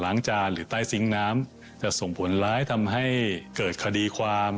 จานหรือใต้ซิงค์น้ำจะส่งผลร้ายทำให้เกิดคดีความ